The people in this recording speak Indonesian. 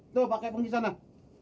tuh pakai pengisian lah